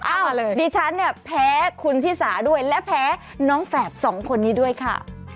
ดิฉันเนี่ยแพ้คุณชิสาด้วยและแพ้น้องแฝดสองคนนี้ด้วยค่ะ